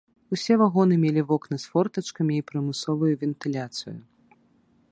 Усе вагоны мелі вокны з фортачкамі і прымусовую вентыляцыю.